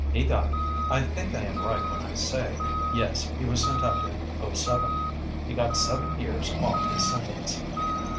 He got I think I am right when I say yes, he was sent up in '07 he got seven years off his sentence."